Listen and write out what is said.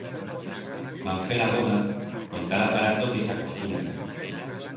Van fer la voda con tal aparato que s'acostumbra.